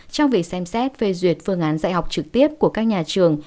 trong việc xem xét phê duyệt phương án dạy học trực tiếp của các nhà trường